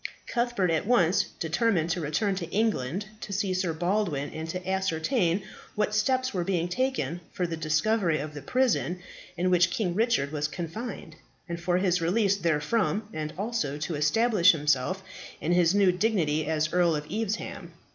Cuthbert at once determined to return to England to see Sir Baldwin, and to ascertain what steps were being taken for the discovery of the prison in which King Richard was confined, and for his release therefrom; and also to establish himself in his new dignity as Earl of Evesham.